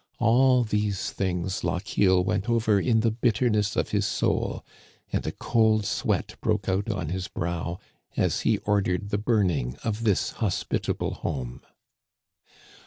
All these things Lochiel went over in the bitterness of his soul, and a cold sweat broke out on his brow as he ordered the burning of this hospitable home.